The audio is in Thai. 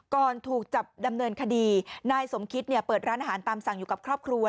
ถูกจับดำเนินคดีนายสมคิตเนี่ยเปิดร้านอาหารตามสั่งอยู่กับครอบครัว